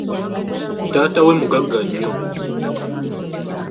Taata we mugagga nnyo.